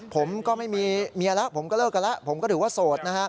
ผมก็ไม่มีเมียแล้วผมก็เลิกกันแล้วผมก็ถือว่าโสดนะฮะ